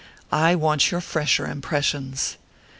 "I want your fresher impressions."